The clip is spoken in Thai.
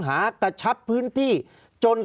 ภารกิจสรรค์ภารกิจสรรค์